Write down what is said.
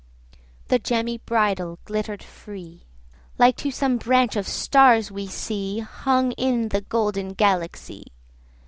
The gemmy bridle glitter'd free, Like to some branch of stars we see Hung in the golden Galaxy.